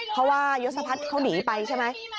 เพราะว่ายศพัฒน์เขาหนีไปใช่ไหม